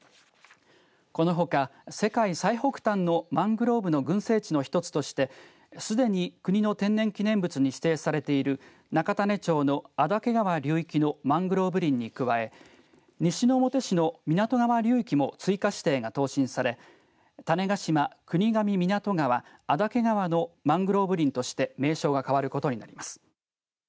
このほか世界最北端のマングローブの群生地の１つとして、すでに国の天然記念物に指定されている中種子町の阿嶽川流域のマングローブ林に加え西之表市の湊川流域も追加指定が答申され種子島国上湊川・阿嶽川のマングローブ林として名称が変わることになります。